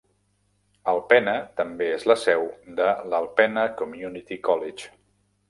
Alpena també és la seu de l'Alpena Community College.